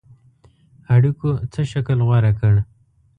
اړېکو څه شکل غوره کړ.